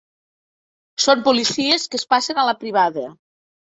Són policies que es passen a la privada.